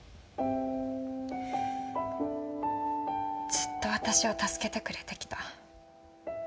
ずっと私を助けてくれて来た。